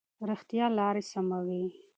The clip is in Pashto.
رښتیا لارې سموي.